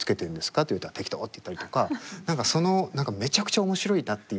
って言ったら適当って言ったりとか何かそのめちゃくちゃ面白いなっていう。